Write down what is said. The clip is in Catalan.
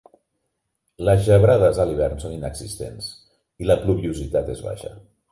Les gebrades a l'hivern són inexistents i la pluviositat és baixa.